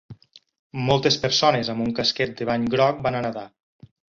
Moltes persones amb un casquet de bany groc van a nadar.